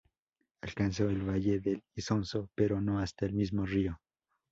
Alcanzó el valle del Isonzo, pero no hasta el mismo río.